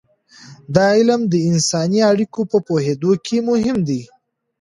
دا علم د انساني اړیکو په پوهیدو کې مهم دی.